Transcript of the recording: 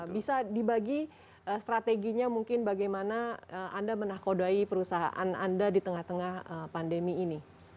bisa dibagi strateginya mungkin bagaimana anda menakodai perusahaan anda di tengah tengah pandemi ini